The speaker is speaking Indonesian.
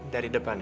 dari depan ya